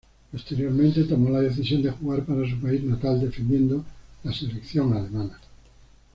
Posteriormente tomó la decisión de jugar para su país natal, defendiendo la selección alemana.